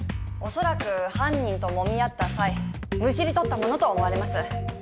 おそらく犯人と揉み合った際むしり取ったものと思われます。